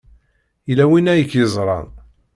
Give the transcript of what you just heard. Yella win ay k-yeẓran.